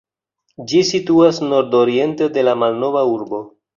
Ĝi situas nordoriente de la Malnova Urbo.